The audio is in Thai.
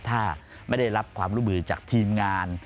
ถ้าไม่ได้รับความร่วมมือจากทีมงาน